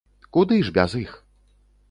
Куды ж без іх!